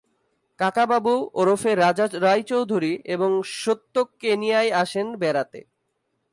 কাকাবাবু ওরফে রাজা রায়চৌধুরী এবং সন্তু কেনিয়ায় আসেন বেড়াতে।